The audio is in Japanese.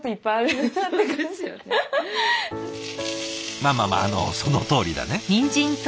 まあまあまああのそのとおりだね。